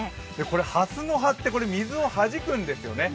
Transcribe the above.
これ、はすの葉って水をはじくんですよね。